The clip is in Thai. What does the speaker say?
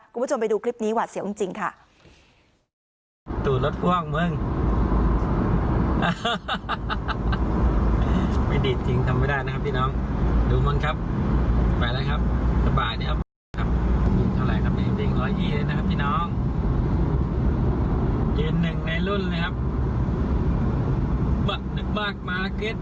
คุณผู้ชมไปดูคลิปนี้หวาดเสียวจริงค่ะ